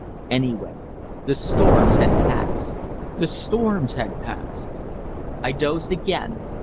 Anyway, the storms had passed! the storms had passed! I dozed again.